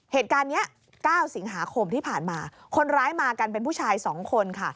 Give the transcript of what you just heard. เหตุการณ์นี้๙สิงหาคมที่ผ่านมาคนร้ายมากันเป็นผู้ชาย๒คนค่ะ